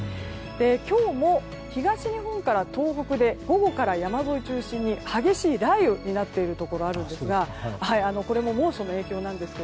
今日も東日本から東北で午後から山沿いを中心に激しい雷雨になっているところがあるんですがこれも猛暑の影響なんです。